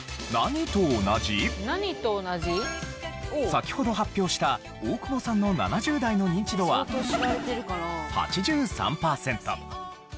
先ほど発表した大久保さんの７０代のニンチドは８３パーセント。